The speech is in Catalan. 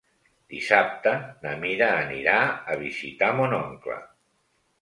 Dissabte na Mira anirà a visitar mon oncle.